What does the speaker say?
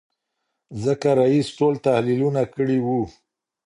ځکه رییس ټول تحلیلونه کړي وو.